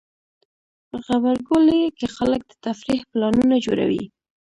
غبرګولی کې خلک د تفریح پلانونه جوړوي.